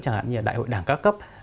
chẳng hạn như là đại hội đảng cao cấp